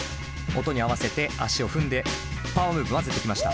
音に合わせて足を踏んでパワームーブ交ぜてきました。